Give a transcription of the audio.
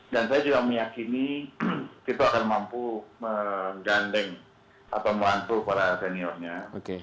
dan saya juga meyakini tito akan mampu menggandeng atau membantu para seniornya